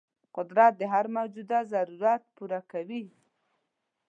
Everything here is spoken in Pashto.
قدرت د هر موجود ضرورت پوره کوي.